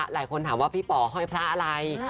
หลายคนถามว่าพี่ป๋อห้อยพระอะไร